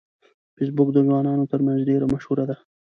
فېسبوک د ځوانانو ترمنځ ډیره مشهوره ده